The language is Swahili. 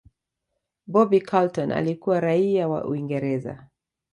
bobby Charlton alikuwa raia wa Uingereza